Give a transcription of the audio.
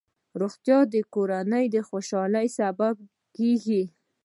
روغتیا د کورنۍ خوشحالۍ سبب کېږي.